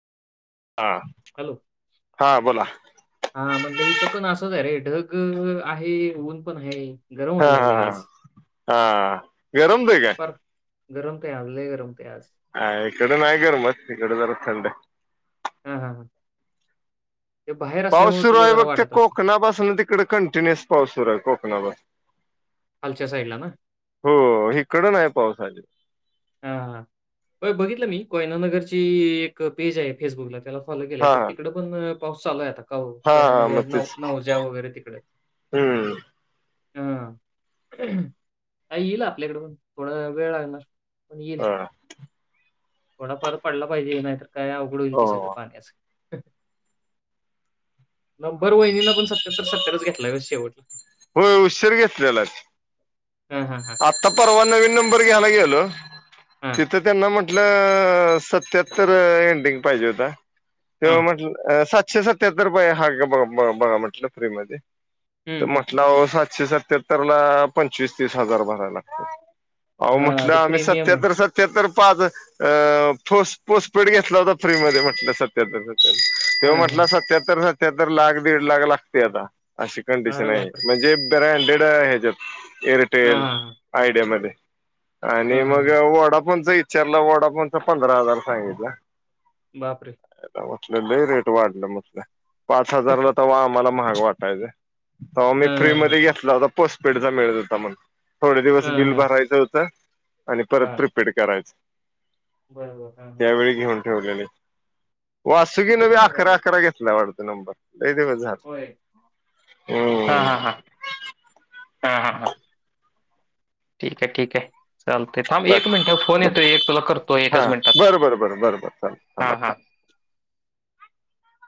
हा हॅलो हा बोला. हा म्हणलं इथं पण असंच आहे रे ढग आहे ऊन पण आहे गरम हा व्हायला हा लागले हा आज. हा गरम होतंय ते का? फार गरम काय, यार लंय गरम. ते आज अय इकडें नाही गरमत, इकडे जरा थंडय. हा, हा, ते बाहेर पाऊस असल्यामुळे सुरू तुला आहे जरा बघ, ते वाटत असेल कोकणापासून तिकडे कंटिन्युअस पाऊस सुरू आहे कोकणापासऽऽ खालच्या साईडला ना हो ऽऽइकड नाही पाऊस आजीबाऽऽऽ हा हा,,, वय बघितलं मी,, कोयना नगरची एक पेज आहे फेसबुकला,, त्यालाच.. फोलो केलय हा तर हा तिकडं पण ऽऽपाऊस चालू हाय आता. होव, हा कोयना हा मग नगर नऊ, तेच नऊजा वगैरे तिकडं. हम्म हमम, काय ईल आपल्याकडे पण,, थोडा वेळ लागणार. येईल. हा थोडाफार पडला पाहिजे,, नाहीतर काय अवघड होईल हो की सगळं पाण्याचं.. नंबर वहिनीना पण सत्याहत्तर सत्त्यारच घेतलाय व शेवट. व्हय उशीर घेतलेलाच. हां, हां, हां, आता परवा नवीन नंबर घ्यायला गेलो,, हां, तिथं त्यांना म्हटऽऽ म्ह अऽऽऽ सत्यातर एडिंग पाहिजे होता. ते्हा हां. म्हऽऽ शे सत्याहत्तर रुपये हा बघा म्हटलं फ्री मध्ये तर हं, हं. म्हटला अओऽऽ एकशे सत्याहत्तर ला पंचवीस तीस हजार भरावे लागतात.. अओ हां, म्हटलं ते आम्ही प्रीमियम आहे. सत्यात्तर सत्याहत्तरऽऽ आज अऽऽपाच पोस्पीड घेतला होता फ्री मध्ये म्हटलं सत्यात्तर. त्यो हां, हां. म्हटला सत्याहत्तर सत्याहत्तर लाख, दीड लाख लागतय आता. अशी अरे कंडिशन आहे,, बापरे! म्हणजे ब्र हँडेड ह्याच्यात एरऽऽ हां, ऐअरटेलल, हां, हां. आयडियामध्ये, आणि हां, हां, मग हां. वोडाऽऽ फोनचा इचारला, वोडाफोनचा पंधरा हजार सांगायचा. बापरे! लय रेट वाढलं म्हटलं,, पाच हजारला तवा आम्हाला महाग वाटायचं. तवा मी हां, फ्री हां, हां. मध्ये घेतला होता पोस्टपेडचा मिळत होता म्हणऽऽ थोडे दिवस हां, बिल हां. भरायचं होतं,,,, आणि परत हां, प्रिपेड करायचं. बरोबर, हा हा त्यावेळी घेऊन ठेवलेले,,, वासुकीीन लई बी महाग अकरा झाले. अकरा घेतला वाढतं नंबर. लय दिवस झालं,, होय. हम्म. हा, हा, हा ठीक आहे, ठीक आहे. चालतंय,, थांब एक बस मिनिटं, फोन येतोय एक तुला करतोय हा एकच मिनिटात,, बरं बरं बरं बरं बरं चालेल थांब हा, हा. [unintelligible]